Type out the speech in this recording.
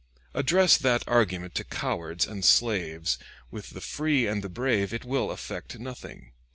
Address that argument to cowards and slaves: with the free and the brave it will affect nothing.